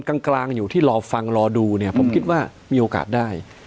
กลางอยู่ที่รอฟังรอดูเนี่ยผมคิดว่ามีโอกาสได้